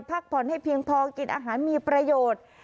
พักผ่อนให้เพียงพอกินอาหารมีประโยชน์